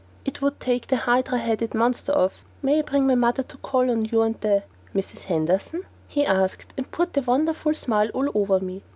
"It would take the hydra headed monster of may I bring my mother to call on you and the Mrs. Henderson?" he asked, and poured the wonder smile all over me.